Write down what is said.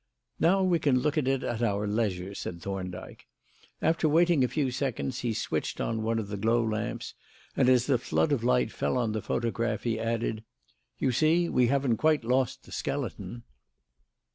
"Now we can look at it at our leisure," said Thorndyke. After waiting a few seconds, he switched on one of the glow lamps, and as the flood of light fell on the photograph, he added: "You see we haven't quite lost the skeleton."